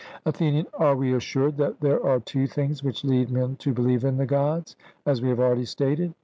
ATHENIAN: Are we assured that there are two things which lead men to believe in the Gods, as we have already stated?